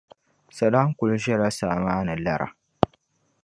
Salam kuli ʒɛla saa maa ni lara.